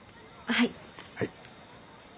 はい。